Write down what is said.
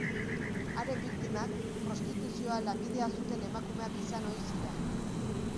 Haren biktimak prostituzioa lanbidea zuten emakumeak izan ohi ziren.